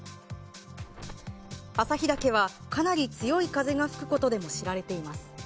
朝日岳は、かなり強い風が吹くことでも知られています。